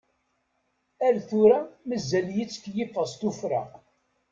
Ar tura mazal-iyi ttkeyyifeɣ s tufra.